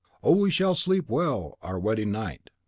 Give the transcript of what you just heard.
Oh, we shall sleep well our wedding night!"